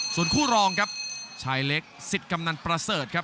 ส่วนคู่รองครับชายเล็กสิทธิ์กำนันประเสริฐครับ